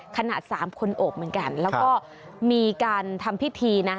ขนาดสามคนโอบเหมือนกันแล้วก็มีการทำพิธีนะ